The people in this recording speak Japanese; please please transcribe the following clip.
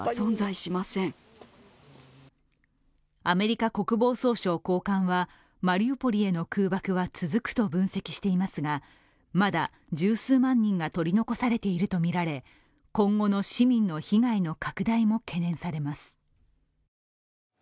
アメリカ国防総省高官は、マリウポリへの空爆は続くと分析していますが、まだ重数万人が取り残されているとみられ今後の市民の被害の拡大も懸念されます。